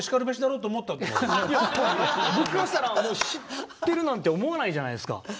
僕からしたら知ってるなんて思わないじゃないですか。